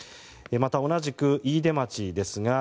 また同じく飯豊町ですが